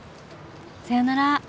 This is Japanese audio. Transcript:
さようなら。